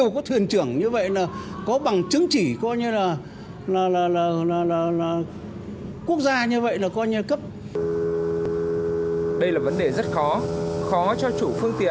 có thể dẫn đến tai nạn thương tâm